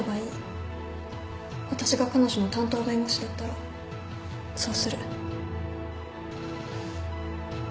私が彼女の担当弁護士だったらそうする。